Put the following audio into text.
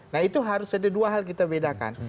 nah itu harus ada dua hal kita bedakan